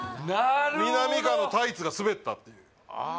みなみかわのタイツがすべったっていうあ